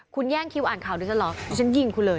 คุณแย่งคิวอ่านข่าวดิฉันเหรอดิฉันยิงคุณเลย